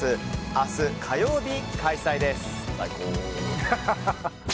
明日、火曜日開催です。